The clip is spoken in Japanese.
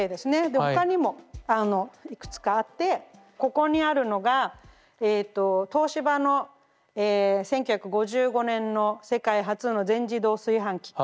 で他にもいくつかあってここにあるのがえと東芝の１９５５年の世界初の全自動炊飯器。